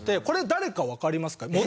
これ誰かわかりますか？